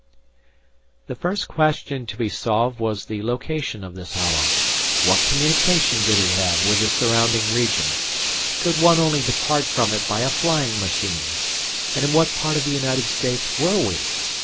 The first question to be solved was the location of this hollow. What communication did it have with the surrounding region? Could one only depart from it by a flying machine? And in what part of the United States were we?